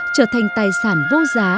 trở thành tài sản vô giá